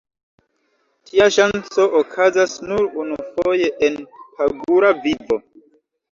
Tia ŝanco okazas nur unufoje en pagura vivo.